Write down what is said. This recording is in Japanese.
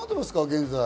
現在。